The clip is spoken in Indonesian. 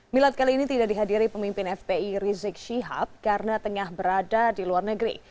milad kali ini tidak dihadiri pemimpin fpi rizik syihab karena tengah berada di luar negeri